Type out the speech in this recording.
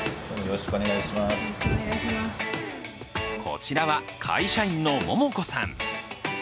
こちらは会社員の桃子さん。